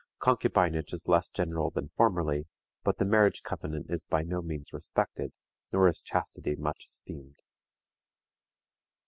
Concubinage is less general than formerly, but the marriage covenant is by no means respected, nor is chastity much esteemed.